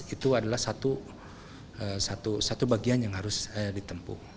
itu adalah satu bagian yang harus ditempuh